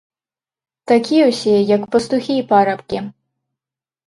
Такія ўсе, як пастухі і парабкі!